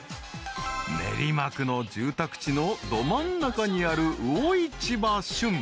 ［練馬区の住宅地のど真ん中にある］